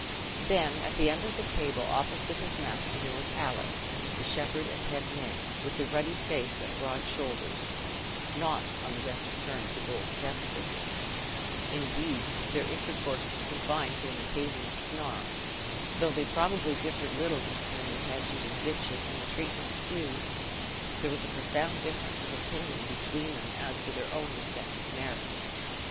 Then, at the end of the table, opposite his master, there was Alick, the shepherd and head man, with the ruddy face and broad shoulders, not on the best terms with old Kester; indeed, their intercourse was confined to an occasional snarl, for though they probably differed little concerning hedging and ditching and the treatment of ewes, there was a profound difference of opinion between them as to their own respective merits.